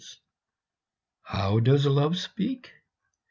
How does Love speak?